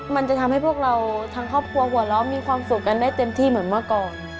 มันจะทำให้พวกเราทางครอบครัวหัวเราะมีความสุขกันได้เต็มที่เหมือนเมื่อก่อน